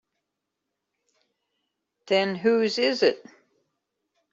Then whose is it?